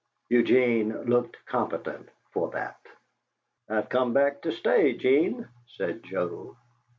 Eugene looked competent for that. "I've come back to stay, 'Gene," said Joe.